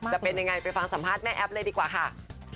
จะเป็นยังไงไปฟังสัมภาษณ์แม่แอ๊บเลยดีกว่าค่ะ